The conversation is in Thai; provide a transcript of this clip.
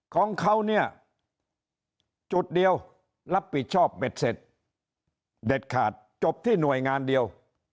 ของเขาเนี่ยจุดเดียวรับผิดชอบเบ็ดเสร็จเด็ดขาดจบที่หน่วยงานเดียว